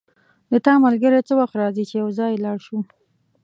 د تا ملګری څه وخت راځي چی یو ځای لاړ شو